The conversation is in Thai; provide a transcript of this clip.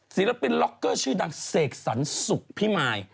ศิลปินล็อกเกอร์ชื่อดังเสกสรรสุขพิมาย